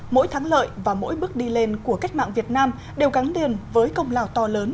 mỗi thắng lợi và mỗi bước đi lên của cách mạng việt nam đều gắn điền với công lào to lớn